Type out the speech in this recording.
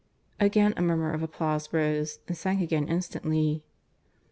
(Again a murmur of applause rose, and sank again instantly.)